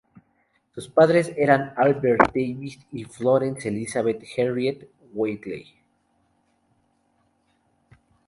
Sus padres eran Albert David y Florence Elizabeth Harriet Wheatley.